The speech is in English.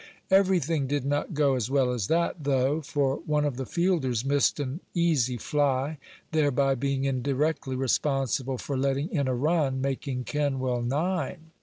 Everything did not go as well as that, though, for one of the fielders missed an easy fly, thereby being indirectly responsible for letting in a run, making Kenwell nine.